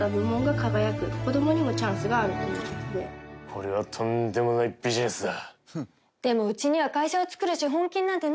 これはとんでもないビジネスだ。